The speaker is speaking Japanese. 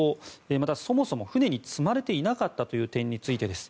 また、そもそも船に積まれていなかったという点についてです。